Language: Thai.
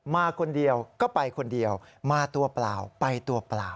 มาคนเดียวก็ไปคนเดียวมาตัวเปล่าไปตัวเปล่า